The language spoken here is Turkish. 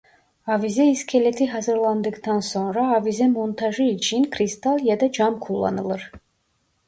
Avize iskeleti hazırlandıktan sonra Avize montajı için kristal ya da cam kullanılır.